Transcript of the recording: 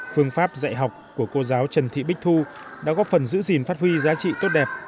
phương pháp dạy học của cô giáo trần thị bích thu đã góp phần giữ gìn phát huy giá trị tốt đẹp